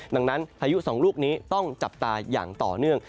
ดังนั้นพายุสองลูกนี้ต้องจับตาอย่างต่อเนื่อง